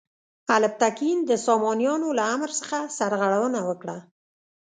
الپتکین د سامانیانو له امر څخه سرغړونه وکړه.